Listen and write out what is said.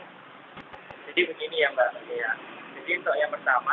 jadi begini ya mbak